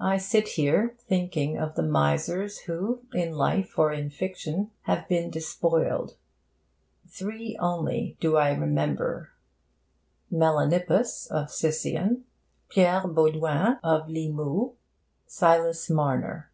I sit here thinking of the misers who, in life or in fiction, have been despoiled. Three only do I remember: Melanippus of Sicyon, Pierre Baudouin of Limoux, Silas Marner.